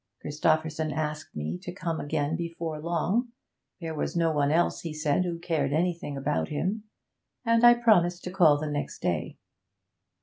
Christopherson asked me to come again before long there was no one else, he said, who cared anything about him and I promised to call the next day.